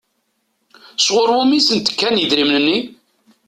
Sɣur wumi i sent-d-kan idrimen-nni?